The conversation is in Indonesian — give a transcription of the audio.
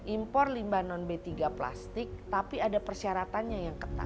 import limba non b tiga plastik tapi ada persyaratan yang ketat